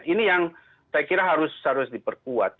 ini yang saya kira harus diperkuat